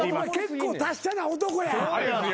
結構達者な男や。